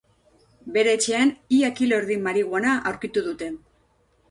Bere etxean, ia kilo erdi marihuana aurkitu dute.